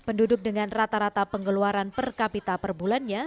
penduduk dengan rata rata pengeluaran per kapita per bulannya